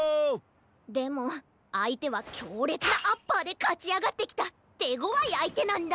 でもあいてはきょうれつなアッパーでかちあがってきたてごわいあいてなんだ。